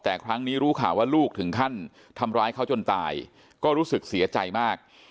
แต่ครั้งนี้รู้ข่าวว่าลูกถึงขั้นทำร้ายเขาจนตายก็รู้สึกเสียใจมาก